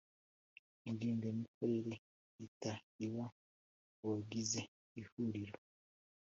Ngengamikorere ihita iba mu bagize Ihuriro